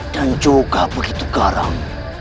dan juga begitu garam